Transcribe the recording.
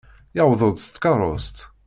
Yewweḍ-d s tkeṛṛust.